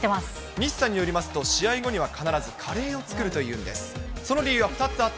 西さんによりますと、試合後には必ずカレーを作るというんです。